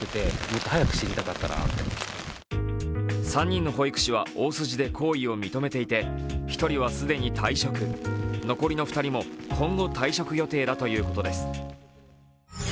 ３人の保育士は大筋で行為を認めていて、１人は既に退職残りの２人も今後、退職予定だということです。